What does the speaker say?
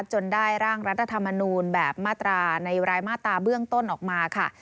จนได้ร่างรัฐธรรมนูลแบบมาตราในรายมาตราเบื้องต้นออกมาค่ะ